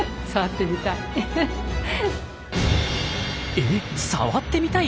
え触ってみたい！？